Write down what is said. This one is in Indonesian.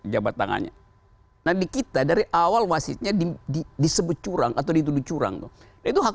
jabat tangannya nah di kita dari awal wasitnya disebut curang atau dituduh curang itu hak